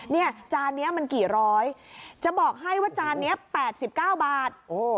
จานนี้มันกี่ร้อยจะบอกให้ว่าจานนี้๘๙บาท